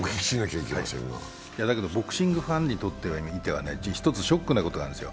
ボクシングファンにとっては１つ、ショックなことがあるんですよ。